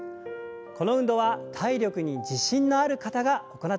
この運動は体力に自信のある方が行ってください。